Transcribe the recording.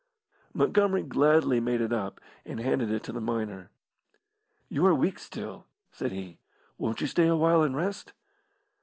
Montgomery gladly made it up and handed it to the miner. "You are weak still," said he. "Won't you stay awhile and rest?"